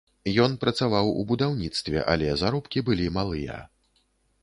Ён працаваў у будаўніцтве, але заробкі былі малыя.